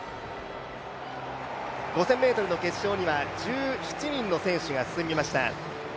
５０００ｍの決勝には１７人の選手が進みました。